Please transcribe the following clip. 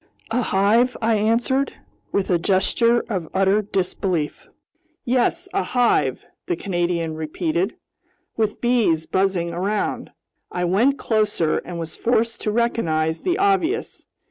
"A hive?" I answered, with a gesture of utter disbelief. "Yes, a hive," the Canadian repeated, "with bees buzzing around!" I went closer and was forced to recognize the obvious.